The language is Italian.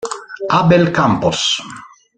Abel Campos.